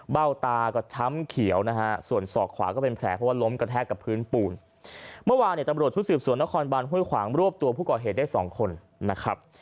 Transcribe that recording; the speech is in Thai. ตาก็ช้ำเขียวนะฮะส่วนศอกขวาก็เป็นแผลเพราะว่าล้มกระแทกกับพื้นปูนเมื่อวานเนี่ยตำรวจชุดสืบสวนนครบานห้วยขวางรวบตัวผู้ก่อเหตุได้สองคนนะครับ